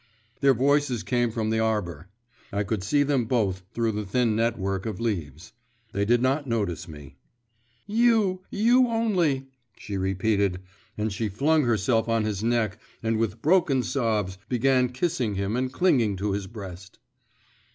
Their voices came from the arbour. I could see them both through the thin net work of leaves. They did not notice me. 'You, you only,' she repeated, and she flung herself on his neck, and with broken sobs began kissing him and clinging to his breast.